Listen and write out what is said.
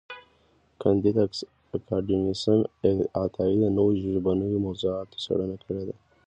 کانديد اکاډميسن عطايي د نوو ژبنیو موضوعاتو څېړنه کړې ده.